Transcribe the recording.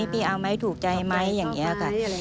พี่เอาไหมถูกใจไหมอย่างนี้ค่ะ